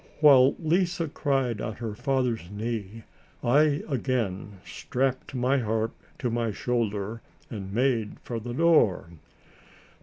While Lise cried on her father's knee, I again strapped my harp to my shoulder, and made for the door.